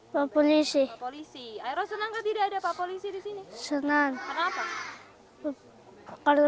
ketika mereka berada di rumah mereka bisa belajar